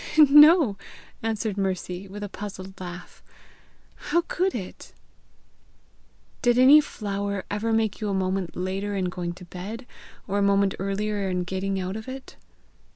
"No," answered Mercy, with a puzzled laugh; "how could it?" "Did any flower ever make you a moment later in going to bed, or a moment earlier in getting out of it?"